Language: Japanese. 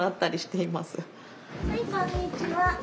はいこんにちは。